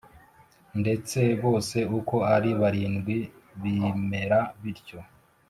Ndetse bose uko ari barindwi bimera bityo